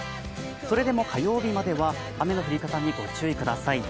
それでも火曜日までは雨の降り方にご注意ください。